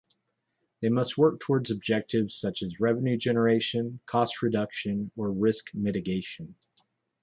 They must work towards objectives such as revenue generation, cost reduction, or risk mitigation.